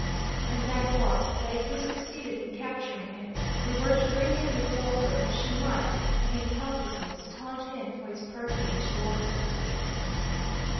And that was, that if we succeeded in capturing him, we were to bring him before her, that she might, in his helplessness, taunt him for his perfidy towards her.